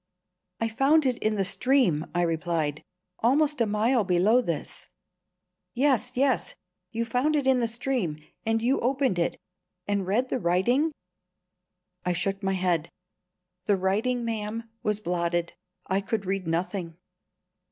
"I found it in the stream," I replied; "almost a mile below this." "Yes, yes; you found it in the stream. And you opened it, and read the writing?" I shook my head. "The writing, ma'am, was blotted I could read nothing."